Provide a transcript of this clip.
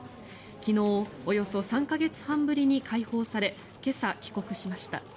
昨日、およそ３か月半ぶりに解放され今朝、帰国しました。